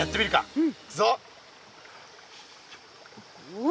うん。